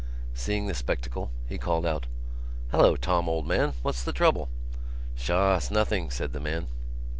Seeing the spectacle, he called out: "Hallo, Tom, old man! What's the trouble?" "Sha, 's nothing," said the man.